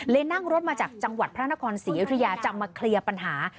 นั่งรถมาจากจังหวัดพระนครศรีอยุธยาจะมาเคลียร์ปัญหา